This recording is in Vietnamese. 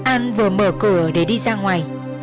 an vừa mở cửa để đi ra ngoài